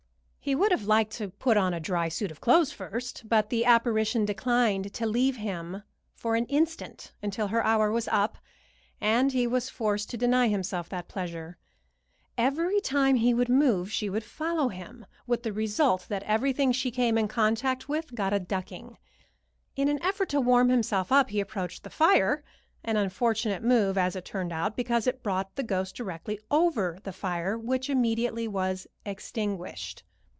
He would have liked to put on a dry suit of clothes first, but the apparition declined to leave him for an instant until her hour was up, and he was forced to deny himself that pleasure. Every time he would move she would follow him, with the result that everything she came in contact with got a ducking. In an effort to warm himself up he approached the fire, an unfortunate move as it turned out, because it brought the ghost directly over the fire, which immediately was extinguished.